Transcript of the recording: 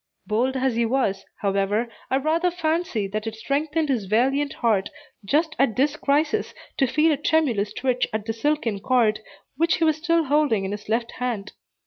Bold as he was, however, I rather fancy that it strengthened his valiant heart, just at this crisis, to feel a tremulous twitch at the silken cord, which he was still holding in his left hand.